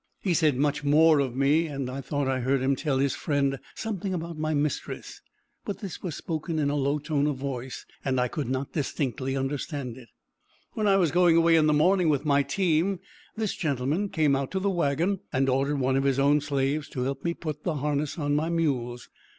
He said much more of me; and I thought I heard him tell his friend something about my mistress, but this was spoken in a low tone of voice, and I could not distinctly understand it. When I was going away in the morning with my team, this gentleman came out to the wagon and ordered one of his own slaves to help me to put the harness on my mules.